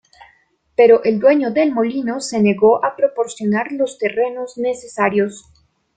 Pero el dueño del molino se negó a proporcionar los terrenos necesarios.